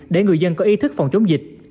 để người dân có ý thức phòng chống dịch